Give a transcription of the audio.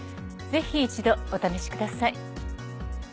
ぜひ一度お試しください。